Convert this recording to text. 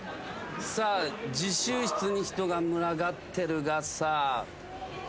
さあ自習室に人が群がってるが。